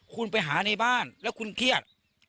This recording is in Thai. คุณไปหาในบ้านแล้วคุณเครียด